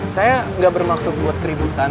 saya gak bermaksud buat keributan